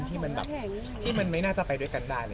ที่มันแบบที่มันไม่น่าจะไปด้วยกันได้เลย